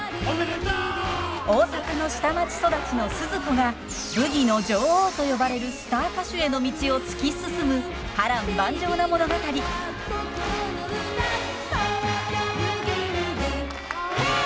大阪の下町育ちのスズ子がブギの女王と呼ばれるスター歌手への道を突き進む波乱万丈な物語。へいっ！